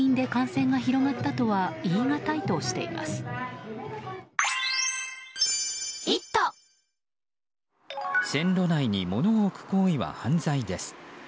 「線路内に物を置く行為は犯罪です」。